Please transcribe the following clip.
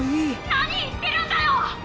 「何言ってるんだよ！」。